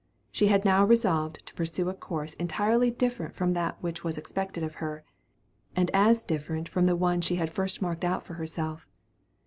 She had now resolved to pursue a course entirely different from that which was expected of her, and as different from the one she had first marked out for herself.